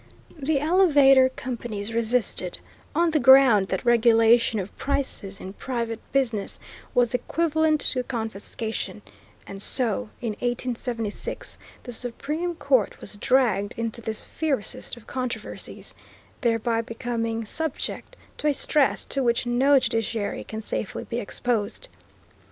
The elevator companies resisted, on the ground that regulation of prices in private business was equivalent to confiscation, and so in 1876 the Supreme Court was dragged into this fiercest of controversies, thereby becoming subject to a stress to which no judiciary can safely be exposed.